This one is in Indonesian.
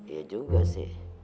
iya juga sih